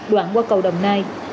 đoạn qua cầu đồng nai